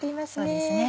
そうですね。